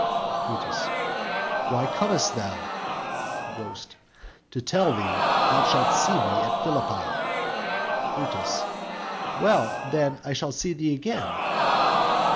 _ Brutus: Why comest thou? Ghost: To tell thee thou shalt see me at Philippi. _Brutus: Well, then I shall see thee again?